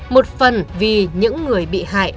một phần vì những người bị hại